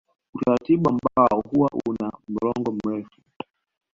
Utaratibu ambao huwa una mlolongo mrefu